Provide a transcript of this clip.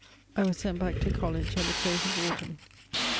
I was sent back to college at the dose of autumn.